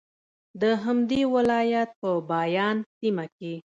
د همدې ولایت په بایان سیمه کې